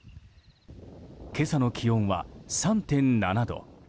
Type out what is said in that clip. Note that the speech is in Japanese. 今朝の気温は３．７度。